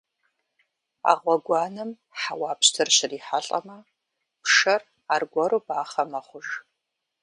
А гъуэгуанэм хьэуа пщтыр щрихьэлӀэмэ, пшэр аргуэру бахъэ мэхъуж.